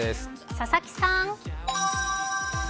佐々木さん。